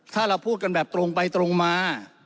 ถ้าเราพูดกันแบบตรงไปตรงมา